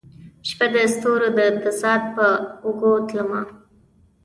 شپه د ستورو د تضاد په اوږو تلمه